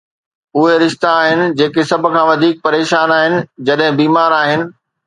اهي رشتا آهن جيڪي سڀ کان وڌيڪ پريشان آهن جڏهن بيمار آهن